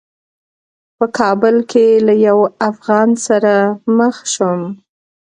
په کابل کې له یوه افغان سره مخ شوم.